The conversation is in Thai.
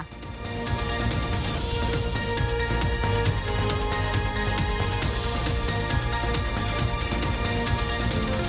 โน้ท